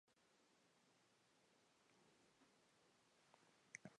Significa "de los filósofos" en el sentido de una pluralidad de los filósofos.